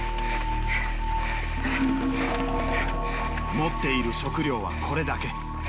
持っている食料はこれだけ。